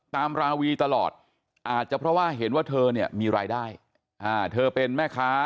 ราวีตลอดอาจจะเพราะว่าเห็นว่าเธอเนี่ยมีรายได้เธอเป็นแม่ค้า